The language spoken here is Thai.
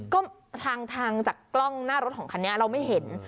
ก็ทางจากกล้องหน้ารถของคันนี้เราไม่เห็น